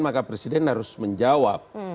maka presiden harus menjawab